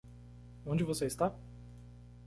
Onde você está?